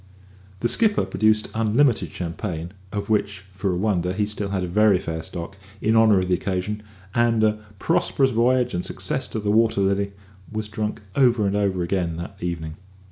The skipper produced unlimited champagne (of which, for a wonder, he still had a very fair stock) in honour of the occasion, and "a prosperous voyage, and success to the Water Lily" was drunk over and over again that evening.